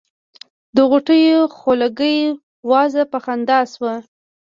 د غوټیو خولګۍ وازه په خندا شوه.